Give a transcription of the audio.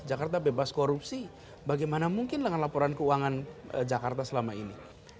jakarta bebas korupsi bagaimana mungkin dengan laporan keuangan jakarta selama ini